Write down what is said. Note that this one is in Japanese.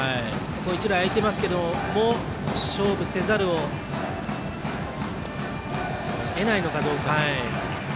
一塁空いていますけども勝負せざるをえないのかどうか。